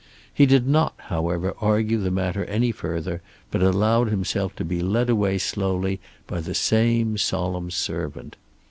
He did not, however, argue the matter any further, but allowed himself to be led away slowly by the same solemn servant.